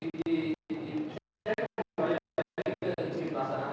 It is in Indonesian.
ini hanya sebatas beribunan